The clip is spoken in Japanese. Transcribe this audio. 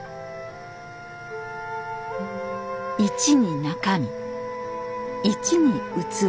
「一に中身一に器」。